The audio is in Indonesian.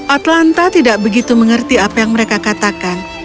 atlanta tidak begitu mengerti apa yang mereka katakan